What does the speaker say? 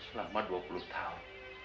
selama dua puluh tahun